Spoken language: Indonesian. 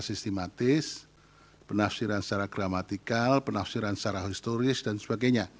sistematis penafsiran secara gramatikal penafsiran secara historis dan sebagainya